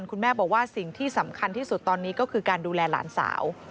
คุณแม่บอกว่าสิ่งที่สำคัญที่สุดตอนนี้ก็คือการดูแลหลานสาว